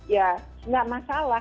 ya nggak masalah